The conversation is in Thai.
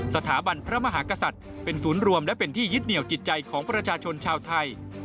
สถาบันพระมหากษัตริย์เป็นศูนย์รวมและเป็นที่ยึดเหนียวจิตใจของประชาชนชาวไทย